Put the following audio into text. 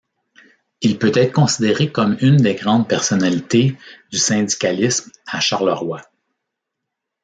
Il peut être considéré comme une des grandes personnalités du syndicalisme à Charleroi.